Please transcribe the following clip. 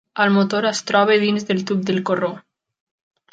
El motor es troba dins del tub del corró.